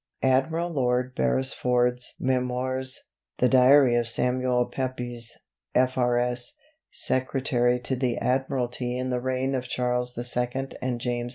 "Admiral Lord Beresford's 'Memoirs.' "The Diary of Samuel Pepys, F.R.S., Secretary to the Admiralty in the Reign of Charles II and James II.